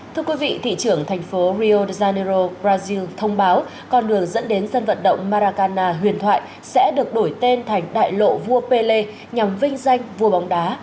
thưa quý vị thị trưởng thành phố rio de janeiro brazil thông báo con đường dẫn đến dân vận động maracana huyền thoại sẽ được đổi tên thành đại lộ vua pele nhằm vinh danh vua bóng đá